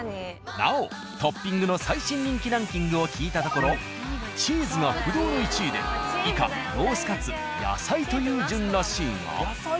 なおトッピングの最新人気ランキングを聞いたところチーズが不動の１位で以下ロースカツやさいという順らしいが。